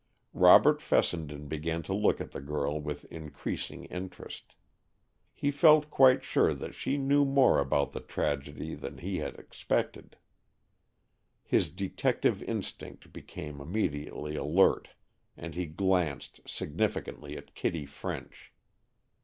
Robert Fessenden began to look at the girl with increasing interest. He felt quite sure that she knew more about the tragedy than he had suspected. His detective instinct became immediately alert, and he glanced significantly at Kitty French.